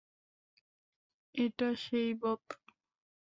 এটা সেই বোতাম।